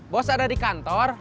bos ada di kantor